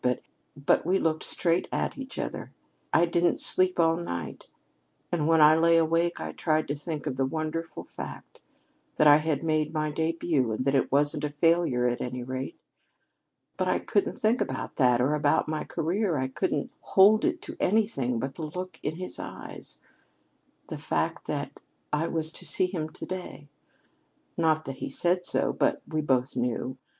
But we looked straight at each other. I didn't sleep all night, and when I lay awake I tried to think of the wonderful fact that I had made my debut, and that it wasn't a failure, at any rate. But I couldn't think about that, or about my career. I couldn't hold to anything but the look in his eyes and the fact that I was to see him to day. Not that he said so. But we both knew.